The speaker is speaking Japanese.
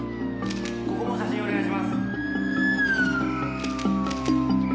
ここも写真お願いします！